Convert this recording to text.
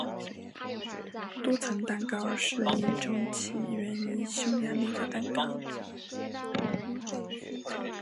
多层蛋糕是一种起源于匈牙利的蛋糕。